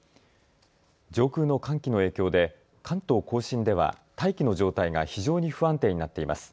上空の寒気の影響で関東甲信では大気の状態が非常に不安定になっています。